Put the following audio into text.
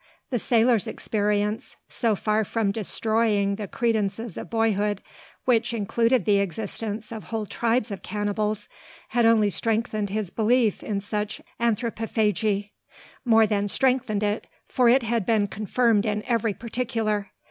The sailor's experience, so far from destroying the credences of boyhood, which included the existence of whole tribes of cannibals, had only strengthened his belief in such anthropophagi. More than strengthened it: for it had been confirmed in every particular.